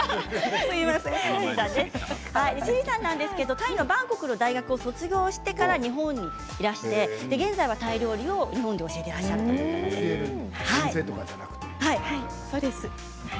タイのバンコクの大学を卒業してから日本にいらして現在はタイ料理を日本で教えていらっしゃるということです。